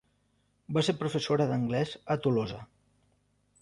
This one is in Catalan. Va ser professora d'anglès a Tolosa.